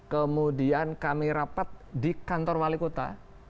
kemudian kami rapat di kantor wali kota